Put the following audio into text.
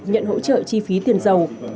nhận hỗ trợ chi phí tiền giàu